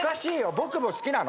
僕も好きなの？